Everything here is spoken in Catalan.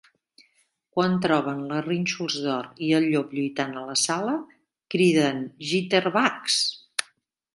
Quan troben la Rínxols d'or i el llop lluitant a la sala, criden "Jitterbugs!"